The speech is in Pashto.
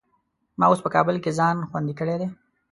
ما اوس په کابل کې ځان خوندي کړی دی.